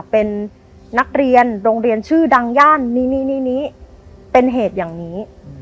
เป็นนักเรียนโรงเรียนชื่อดังย่านนี่นี้เป็นเหตุอย่างนี้